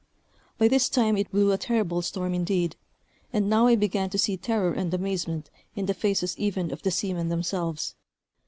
By this time it blew a terrible storm indeed; and now I began to see terror and amazement in the faces even of the seamen themselves.